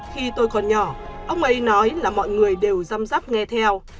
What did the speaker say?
khi tôi còn nhỏ ông ấy nói là mọi người đều dăm dắp nghe theo